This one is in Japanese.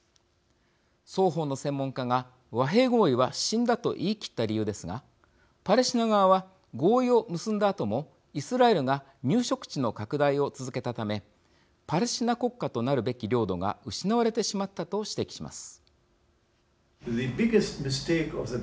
双方の専門家が和平合意は死んだと言い切った理由ですがパレスチナ側は合意を結んだあともイスラエルが入植地の拡大を続けたためパレスチナ国家となるべき領土が失われてしまったと指摘します。